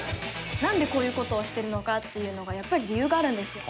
なんでこういう事をしてるのかっていうのがやっぱり理由があるんですよ。